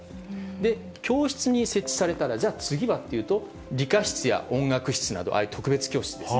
で、教室に設置されたら、じゃあ次はっていうと、理科室や音楽室など、ああいう特別教室です。